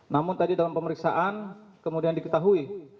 namun tadi dalam pemeriksaan kemudian diketahui